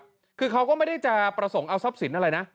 คาวเตอร์ครับคือเขาก็ไม่ได้จะประสงค์เอาซับสินอะไรนะ